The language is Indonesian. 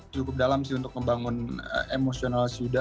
cukup dalam sih untuk ngebangun emosional si yuda